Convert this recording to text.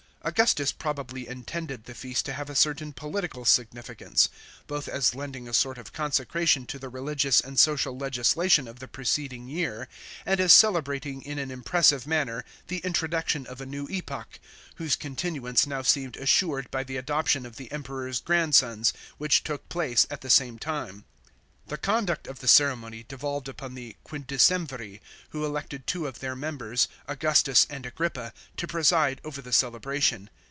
* Augustus probably intended the feast to have a certain political significance, both as lending a sort of con secration to the religious and social legislation of the preceding year, and as celebrating in an impressive manner the introduction of a new epoch, whose continuance now seemed assured by the adoption of the Emperor's grandsons, which took place at the same time. The conduct of the ceremony devolved upon the Quin decimviri, who elected two of their members, Augustus and Agrippa, to preside over the celebration.